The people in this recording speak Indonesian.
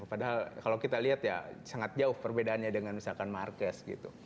padahal kalau kita lihat ya sangat jauh perbedaannya dengan misalkan marquez gitu